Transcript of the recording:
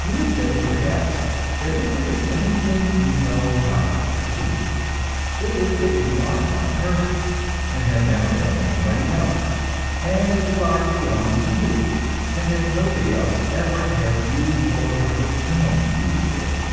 You would say, perhaps, that if there is anything you know positively, it is that you are one person, and have never been anybody else, and that your body belongs to you, and that nobody else ever has used or ever can use it.